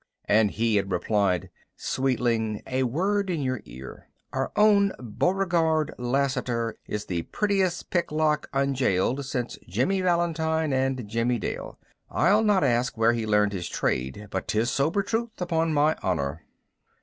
and he had replied, "Sweetling, a word in your ear: our own Beauregard Lassiter is the prettiest picklock unjailed since Jimmy Valentine and Jimmy Dale. I'll not ask where he learned his trade, but 'tis sober truth, upon my honor."